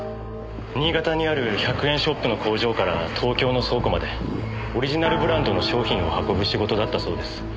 新潟にある１００円ショップの工場から東京の倉庫までオリジナルブランドの商品を運ぶ仕事だったそうです。